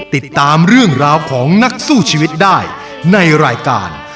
ติดตามเรื่องราวของนักสู้ชีวิตได้ในรายการ